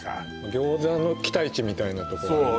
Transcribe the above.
餃子の期待値みたいなところありますよね